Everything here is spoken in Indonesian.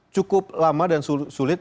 cukup lama dan sulit